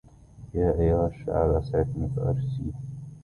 يا أيها الشعر أسعفني فأرثيه